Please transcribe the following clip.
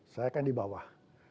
saya kan di bawah